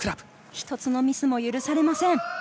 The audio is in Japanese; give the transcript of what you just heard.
一つのミスも許されません。